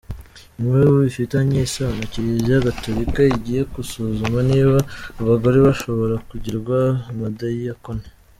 Inkuru bifitanye isano : Kiliziya Gatorika igiye gusuzuma niba abagore bashobora kugirwa abadiyakoni.